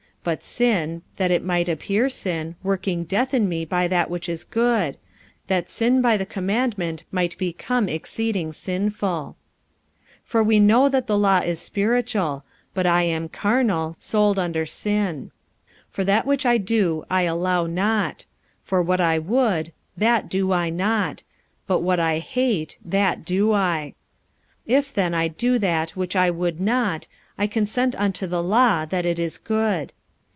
But sin, that it might appear sin, working death in me by that which is good; that sin by the commandment might become exceeding sinful. 45:007:014 For we know that the law is spiritual: but I am carnal, sold under sin. 45:007:015 For that which I do I allow not: for what I would, that do I not; but what I hate, that do I. 45:007:016 If then I do that which I would not, I consent unto the law that it is good.